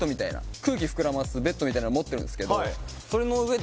空気膨らますベッドみたいなの持ってるんですけど